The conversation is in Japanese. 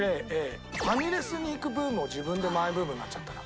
ファミレスに行くブームを自分のマイブームになっちゃったな。